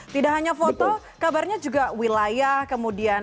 tidak hanya foto kabarnya juga wilayah kemudian